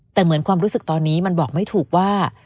แต่เหมือนความรู้สึกตอนนี้มันบอกไม่ถูกว่า